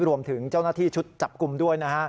รวมถึงเจ้าหน้าที่ชุดจับกลุ่มด้วยนะฮะ